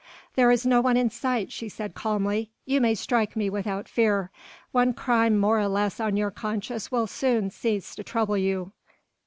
"There is no one in sight," she said calmly, "you may strike me without fear. One crime more or less on your conscience will soon cease to trouble you."